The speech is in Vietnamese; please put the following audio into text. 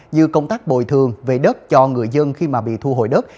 như công tác bồi thường về đất cho người dân khi mà bị thu hồi đất